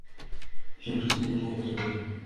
জৌলুষতা যেন থাকে ছবিতে।